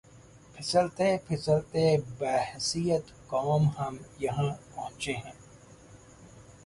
پھسلتے پھسلتے بحیثیت قوم ہم یہاں پہنچے ہیں۔